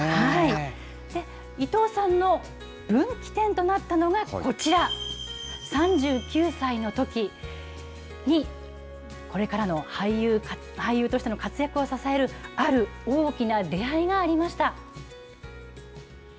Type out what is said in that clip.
伊藤さんの分岐点となったのがこちら、３９歳のときに、これからの俳優としての活躍を支える、ある大きな出会いがありました。